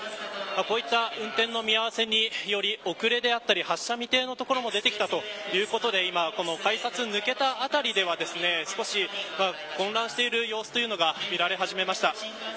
こういった運転の見合わせにより遅れや発車未定のところも出てきたということで改札を抜けた辺りでは少し混乱している様子が見られ始めました。